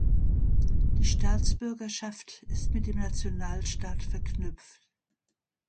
Die Staatsbürgerschaft ist mit dem Nationalstaat verknüpft.